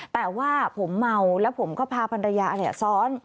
แต่ว่าผมเมาแล้วผมก็พาภรรยาซ้อน